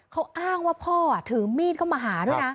เขาอ้างว่าพ่อถือมีดเข้ามาหาด้วยนะ